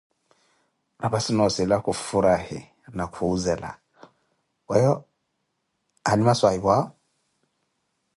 Raphassi nossila khufurahi, na kuhʼzela, weeyo halima swahiphuʼawo?